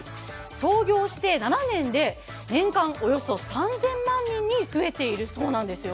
創業して７年で年間およそ３０００万人に増えているそうなんですよ。